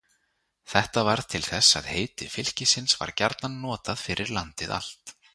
Þetta varð til þess að heiti fylkisins var gjarnan notað fyrir landið allt.